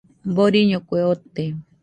Doriño kue ote.